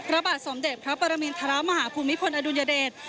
ระบาดสมเด็กพระประมิญธาระมาหาภูมิพลอดุงริมเดชน์